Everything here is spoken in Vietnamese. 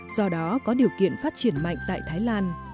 do đó có điều kiện phát triển mạnh tại thái lan